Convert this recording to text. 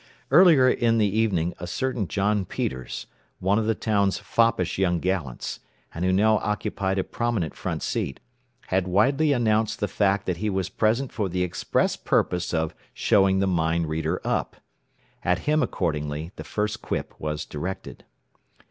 Earlier in the evening a certain John Peters, one of the town's foppish young gallants, and who now occupied a prominent front seat, had widely announced the fact that he was present for the express purpose of "showing the mind reader up." At him accordingly the first quip was directed.